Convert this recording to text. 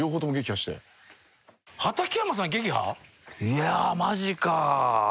・いやマジか。